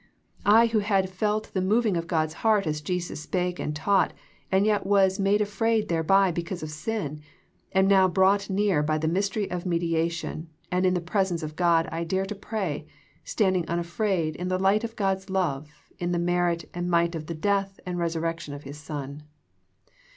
I who had felt the moving of God's heart as Jesus spake and taught and yet was made afraid thereby because of sin, am now brought near by the mystery of mediation and in the presence of God I dare to pray, standing unafraid in the light of God's love in the merit and might of the death and resurrection of His Son.